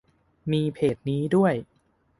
มีเพจนี้ด้วย